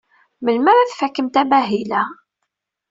Melmi ara tfakem amahil-a?